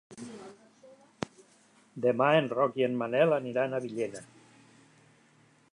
Demà en Roc i en Manel aniran a Villena.